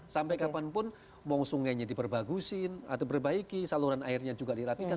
sampai kapanpun mongsungenya diperbagusin atau berbaiki saluran airnya juga dirapikan